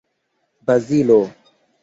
Bazilo!